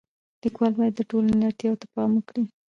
لیکوال باید د ټولنې اړتیاو ته پام وکړي.